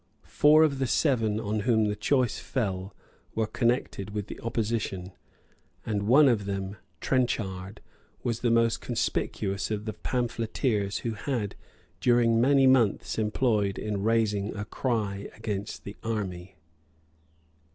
Four of the seven on whom the choice fell were connected with the opposition; and one of them, Trenchard, was the most conspicuous of the pamphleteers who had been during many months employed in raising a cry against the army.